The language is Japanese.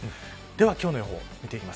では今日の予報です。